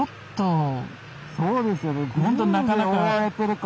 そうですよね。